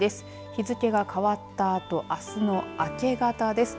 日付が変わったあと、あすの明け方です。